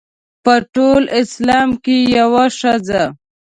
په ټول اسلام کې یوه ښځه.